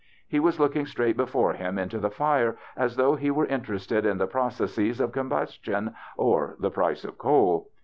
He was looking straight before liim into the fire, as though he were interested in the processes of combustion or the price of coal.